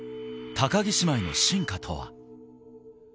高木姉妹の進化とは？